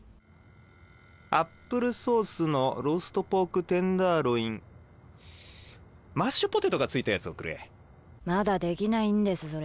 ・アップルソースのローストポーク・テンダーロイン・・マッシュポテトが付いたやつをくれ・まだできないんですそれ。